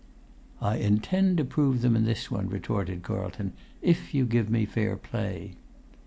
"I intend to prove them in this one," retorted Carlton, "if you give me fair play."